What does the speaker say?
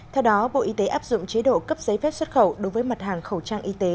theo đó bộ y tế áp dụng chế độ cấp giấy phép xuất khẩu đối với mặt hàng khẩu trang y tế